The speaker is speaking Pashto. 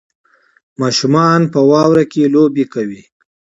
ماشومان په واورو کې لوبې کوي